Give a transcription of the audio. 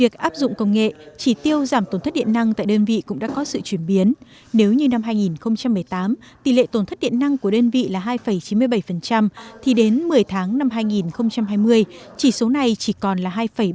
tập đoàn điện lực việt nam đã đặt mục tiêu chuyển đổi số là hai chín mươi bảy thì đến một mươi tháng năm hai nghìn hai mươi chỉ số này chỉ còn là hai ba mươi ba